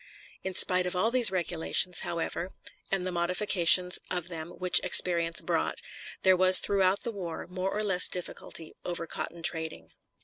In spite of all these regulations, however, and the modifications of them which experience brought, there was throughout the war more or less difficulty over cotton trading.